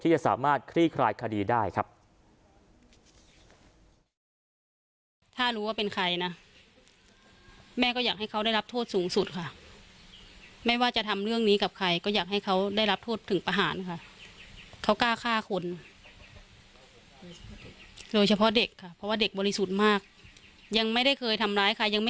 จะสามารถคลี่คลายคดีได้ครับ